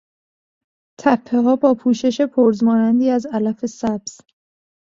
تپهها با پوشش پرز مانندی از علف سبز